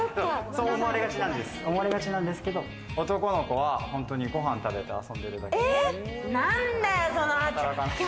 そう思われがちなんですけど、男の子は本当にご飯食べて遊んでるだけ。